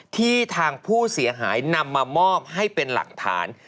ทางผู้เสียหายนำมามอบให้เป็นหลักฐาน